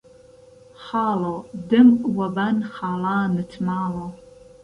خاڵۆ دهم وه بان خاڵانت ماڵۆ